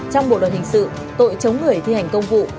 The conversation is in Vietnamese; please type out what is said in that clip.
trong bộ luật hình sự tội chống người thi hành công vụ